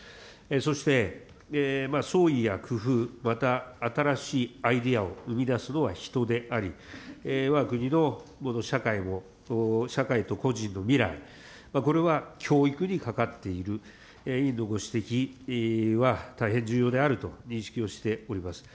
そして、創意や工夫、また新しいアイデアを生み出すのは人であり、わが国の社会も、社会と個人の未来、これは教育にかかっている、委員のご指摘は大変重要であると認識をしております。